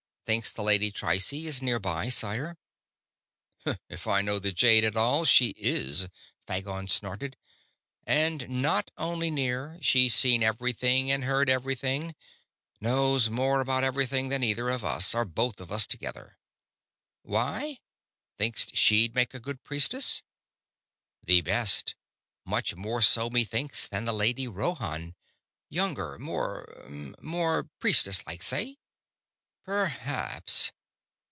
"Thinkst the Lady Trycie is nearby, sire?" "If I know the jade at all, she is," Phagon snorted. "And not only near. She's seen everything and heard everything; knows more about everything than either of us, or both of us together. Why? Thinkst she'd make a good priestess?" "The best. Much more so, methinks, than the Lady Rhoann. Younger. More ... umm ... more priestess like, say?" "Perhaps."